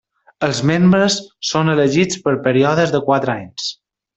Els membres són elegits per períodes de quatre anys.